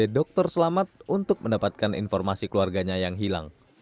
dokter selamat untuk mendapatkan informasi keluarganya yang hilang